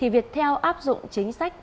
viettel áp dụng chính sách